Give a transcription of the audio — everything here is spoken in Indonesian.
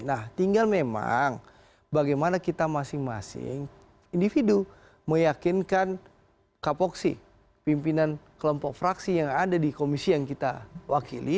nah tinggal memang bagaimana kita masing masing individu meyakinkan kapoksi pimpinan kelompok fraksi yang ada di komisi yang kita wakili